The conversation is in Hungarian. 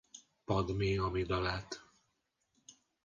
Padmé Amidalát.